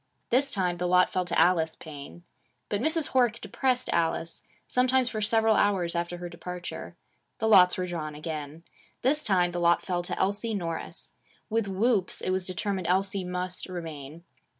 This time the lot fell to Alice Paine. But Mrs. Horick depressed Alice, sometimes for several hours after her departure. The lots were drawn again. This time the lot fell to Elsie Norris. With whoops, it was determined Elsie must remain.